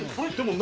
何？